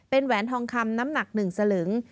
เป็นแหวนทองคำน้ำหนักหนึ่งสลึง